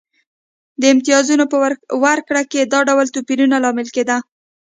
د امتیازونو په ورکړه کې دا ډول توپیرونه لامل کېده.